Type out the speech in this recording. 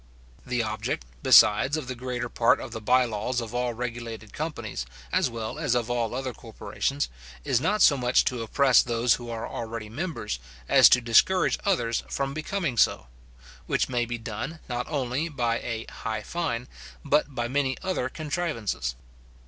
The object, besides, of the greater part of the bye laws of all regulated companies, as well as of all other corporations, is not so much to oppress those who are already members, as to discourage others from becoming so; which may be done, not only by a high fine, but by many other contrivances.